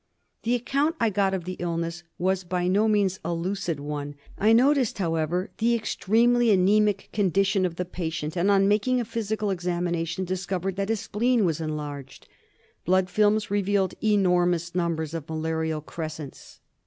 The account I got of the illness was by no means a lucid one. I L 2 164 DIAGNOSIS OF MALARIA. noticed, however, the extremely anaemic condition of the patient, and on making a physical examination dis covered that his spleen was enlarged. Blood films re vealed enormous numbers of malarial crescents.